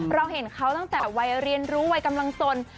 เราเห็นเขาตั้งแต่วัยเรียนรู้วัยกำลังสน